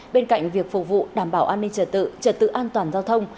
bên cạnh việc phục vụ đảm bảo an ninh trật tự trật tự an toàn giao thông